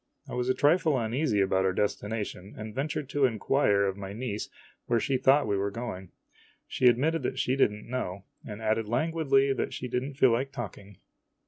I was a trifle uneasy about our destination, and ventured to inquire of my niece where she thought we were going. She admitted that she did n't know, and added languidly that she did n't feel like talking.